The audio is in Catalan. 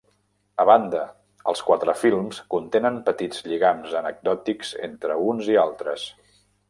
A banda, els quatre films contenen petits lligams anecdòtics entre uns i altres.